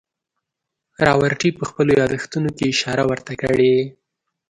راورټي په خپلو یادښتونو کې اشاره ورته کړې.